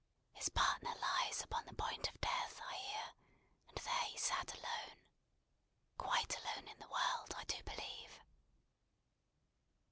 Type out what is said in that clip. His partner lies upon the point of death, I hear; and there he sat alone. Quite alone in the world, I do believe."